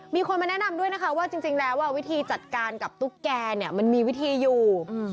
มีคนมาแนะนำด้วยนะคะว่าจริงแล้ววิธีจัดการกับตุ๊กแกเนี่ยมันมีวิธีอยู่